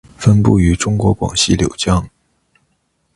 分布于中国广西柳江。